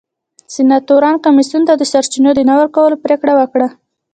سناتورانو کمېسیون ته د سرچینو د نه ورکولو پرېکړه وکړه.